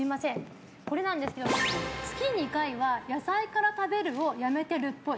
これなんですけど、月２回は野菜から食べるをやめてるっぽい。